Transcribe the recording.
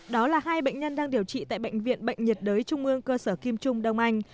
đó là hai bệnh nhân đang điều trị tại bệnh viện bệnh nhiệt đới trung ương cơ sở kim trung đông anh